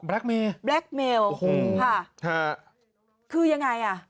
แบล็คเมลล์แบล็คเมลล์ค่ะคือยังไง